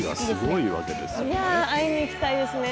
いやあ会いに行きたいですね。